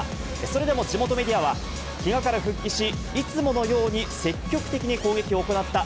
それでも地元メディアは、けがから復帰し、いつものように積極的に攻撃を行った。